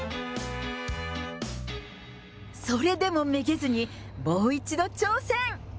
それでもめげずに、もう一度挑戦。